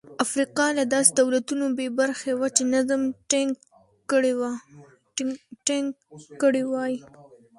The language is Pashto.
افریقا له داسې دولتونو بې برخې وه چې نظم ټینګ کړي وای.